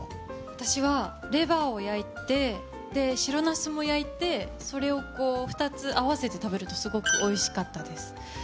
私はレバーを焼いて白ナスも焼いてそれを、２つ合わせて食べるとすごくおいしかったです。